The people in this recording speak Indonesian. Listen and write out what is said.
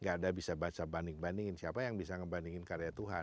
nggak ada bisa basa banik banikin siapa yang bisa ngebandingin karya tuhan